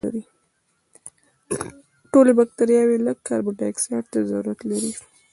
ټولې بکټریاوې لږ کاربن دای اکسایډ ته ضرورت لري.